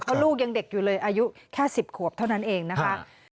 เพราะลูกยังเด็กอยู่เลยอายุแค่๑๐ขวบเท่านั้นเองนะคะ